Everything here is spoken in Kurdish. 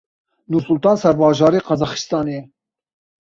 Nursultan serbajarê Qazaxistanê ye.